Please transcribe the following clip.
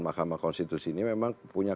mahkamah konstitusi ini memang punya